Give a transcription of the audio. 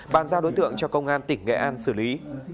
bàn giao đối tượng cho công an tỉnh nghệ an xử lý